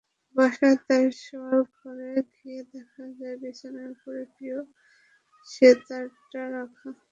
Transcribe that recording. বাসায় তাঁর শোয়ার ঘরে গিয়ে দেখা যায়, বিছানার ওপরে প্রিয় সেতারটা রাখা।